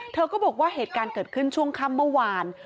เธอก็บอกว่าเหตุการณ์เกิดขึ้นช่วงค่ำเมื่อวาน